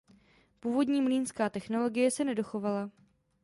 Původní mlýnská technologie se nedochovala.